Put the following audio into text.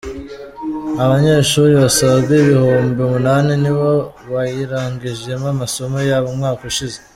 Abanyeshuri basaga ibihumbi umunani nibo bayirangijemo amasomo yabo umwaka ushize.